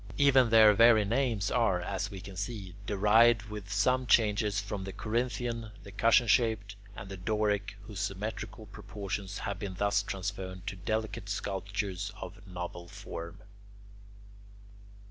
Even their very names are, as we can see, derived with some changes from the Corinthian, the cushion shaped, and the Doric, whose symmetrical proportions have been thus transferred to delicate sculptures of novel form.